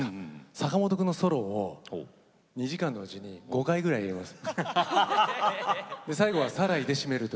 坂本君のソロを２時間のうちに５回ぐらい歌います。